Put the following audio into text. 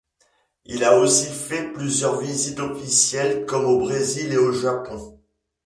Il a aussi fait plusieurs visites officielles comme au Brésil et au Japon.